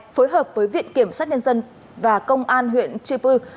phối hợp với viện kiểm sát nhân dân và công an huyện chư pư